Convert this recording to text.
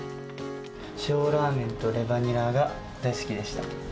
塩ラーメンとレバニラが大好きでした。